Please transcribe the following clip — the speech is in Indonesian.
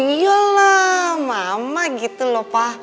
iya lah mama gitu loh pak